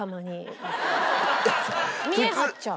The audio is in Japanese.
見え張っちゃう。